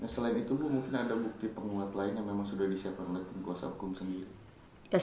selain itu bu mungkin ada bukti penguat lain yang memang sudah disiapkan oleh tim kuasa hukum sendiri